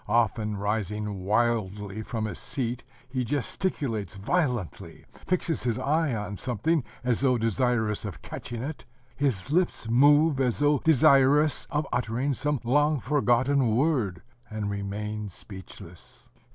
Often, rising wildly from his seat, he gesticulates violently, fixes his eyes on something as though desirous of catching it: his lips move as though desirous of uttering some long forgotten word and remain speechless.